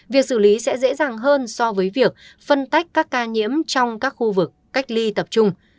việc xử lý sẽ dễ dàng hơn so với việc phân tách các ca nhiễm trong các khu vực cách ly tập trung